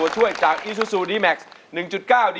จักใช้หรือไม่ใช้ครับ